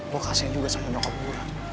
gue kasian juga sama nyokap lu